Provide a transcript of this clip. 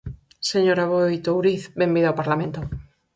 Señora Aboi Touriz, benvida ao Parlamento.